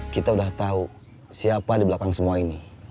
kita sudah tahu siapa di belakang semua ini